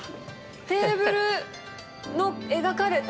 テーブルの描かれた。